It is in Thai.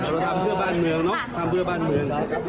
เราทำเพื่อบ้านเมืองเนาะทำเพื่อบ้านเมือง